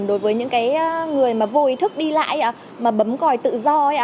đối với những người mà vô ý thức đi lại mà bấm còi tự do